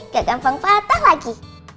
gak gampang patah lagi